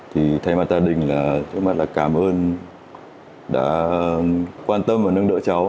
thì thay mặt gia đình là thay mặt là cảm ơn đã quan tâm và nâng đỡ cháu